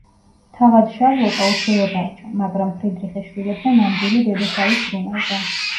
თავად შარლოტა უშვილო დარჩა, მაგრამ ფრიდრიხის შვილებზე ნამდვილი დედასავით ზრუნავდა.